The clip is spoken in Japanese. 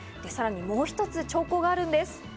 さらにもう一つ兆候があるんです。